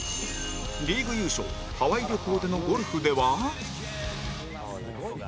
リーグ優勝ハワイ旅行でのゴルフでは